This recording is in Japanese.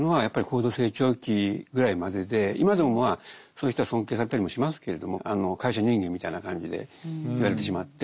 今でもまあそういう人は尊敬されたりもしますけれども会社人間みたいな感じで言われてしまって。